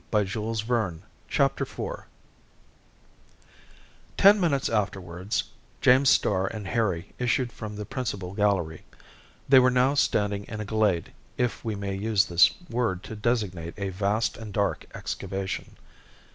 CHAPTER IV. THE FORD FAMILY Ten minutes afterwards, James Starr and Harry issued from the principal gallery. They were now standing in a glade, if we may use this word to designate a vast and dark excavation.